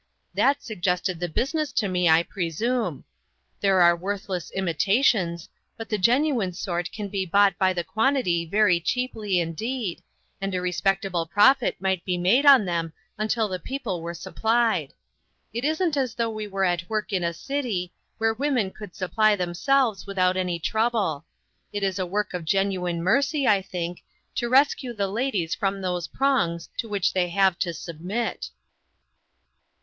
That suggested the business to me, I pre sume. There are worthless imitations, but MAKING OPPORTUNITIES. 113 the genuine sort can be bought by the quantity very cheaply indeed, and a respect able profit might be made on them until the people were supplied. It isn't as though we were at work in a city, where women could supply themselves without any trouble. It is a work of genuine mercy, I think, to rescue the ladies from those prongs to which they have to submit."